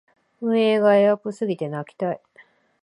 運営がエアプすぎて泣きたい